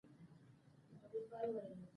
ماشومان د لوبو له لارې د نوښت وړتیا وده کوي.